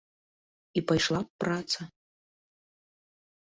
І пайшла б праца.